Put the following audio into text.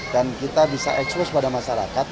dan kita bisa expose pada masyarakat